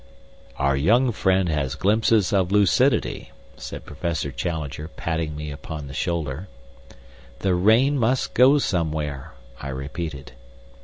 "Our young friend has glimpses of lucidity," said Professor Challenger, patting me upon the shoulder. "The rain must go somewhere," I repeated.